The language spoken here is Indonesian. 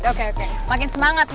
oke oke makin semangat nih gue